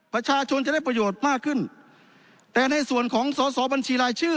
ประชาชนจะได้ประโยชน์มากขึ้นแต่ในส่วนของสอสอบัญชีรายชื่อ